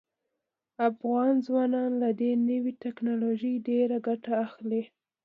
افغان ځوانان له دې نوې ټیکنالوژۍ ډیره ګټه اخلي.